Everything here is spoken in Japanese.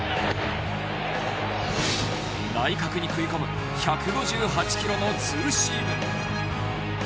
内角に食い込む１５８キロのツーシーム。